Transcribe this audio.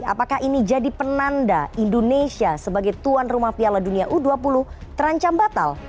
apakah ini jadi penanda indonesia sebagai tuan rumah piala dunia u dua puluh terancam batal